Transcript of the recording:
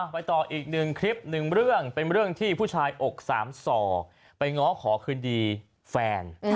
ไปต่ออีกหนึ่งคลิปหนึ่งเรื่องเป็นเรื่องที่ผู้ชายอกสามส่อไปง้อขอคืนดีแฟน